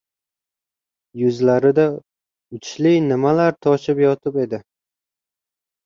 Yuzlarida uchli nimalar toshib yotib edi.